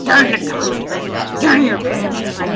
Durn the government grant! durn your pre emption right!